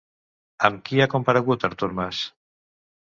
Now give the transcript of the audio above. Amb qui ha comparegut Artur Mas?